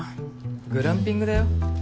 グランピングだよ？